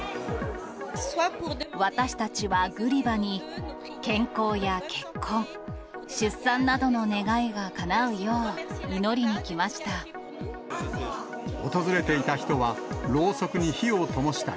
私たちはグリバに、健康や結婚、出産などの願いがかなうよう、祈りに来ました。